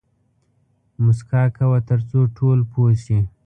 موسکا کوه تر څو ټول پوه شي